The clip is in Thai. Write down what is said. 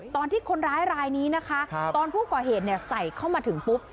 ตอนที่คนร้ายรายนี้นะคะตอนผู้ก่อเหตุใส่เข้ามาถึงปุ๊บ